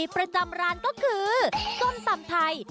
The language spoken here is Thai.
ประจำร้านก็คือส้มตำไทย